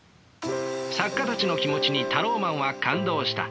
作家たちの気持ちにタローマンは感動した。